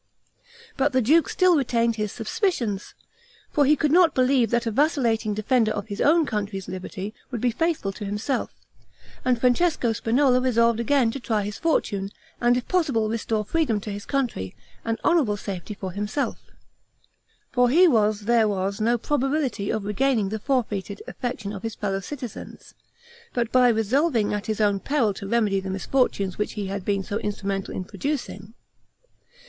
But the duke still retained his suspicions; for he could not believe that a vacillating defender of his own country's liberty would be faithful to himself; and Francesco Spinola resolved again to try his fortune, and if possible restore freedom to his country, and honorable safety for himself; for he was there was no probability of regaining the forfeited affection of his fellow citizens, but by resolving at his own peril to remedy the misfortunes which he had been so instrumental in producing.